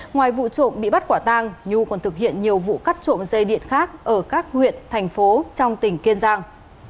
ngoài vụ trộm bị bắt quả tang nhu còn thực hiện nhiều vụ cắt trộm dây điện khác ở các huyện thành phố trong tỉnh kiên giang